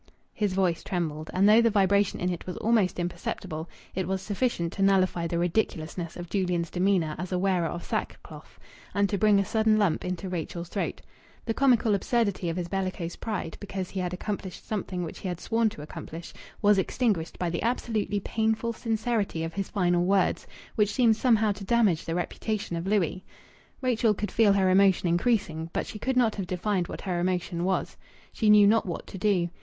His voice trembled, and though the vibration in it was almost imperceptible, it was sufficient to nullify the ridiculousness of Julian's demeanour as a wearer of sackcloth, and to bring a sudden lump into Rachel's throat. The comical absurdity of his bellicose pride because he had accomplished something which he had sworn to accomplish was extinguished by the absolutely painful sincerity of his final words, which seemed somehow to damage the reputation of Louis. Rachel could feel her emotion increasing, but she could not have defined what her emotion was. She knew not what to do.